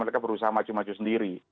mereka berusaha maju maju sendiri